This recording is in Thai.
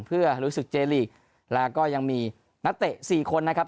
เพื่อลุยศึกเจลีกแล้วก็ยังมีนักเตะ๔คนนะครับ